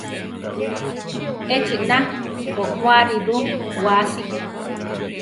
Echina oʼmoáriru wáasi.